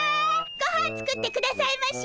ごはん作ってくださいまし！